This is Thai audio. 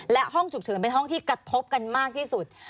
และห้องฉุกเฉินเป็นห้องที่กระทบกันมากที่สุด